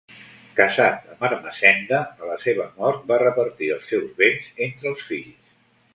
Casat amb Ermessenda, a la seva mort va repartir els seus béns entre els fills.